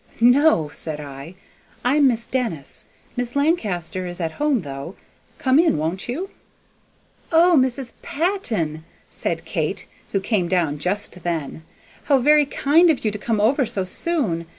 "No," said I, "I'm Miss Denis: Miss Lancaster is at home, though: come in, won't you?" "O Mrs. Patton!" said Kate, who came down just then. "How very kind of you to come over so soon!